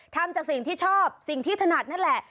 ทำจากสิ่งที่ชอบสิ่งที่ถนัดนั่นแหละ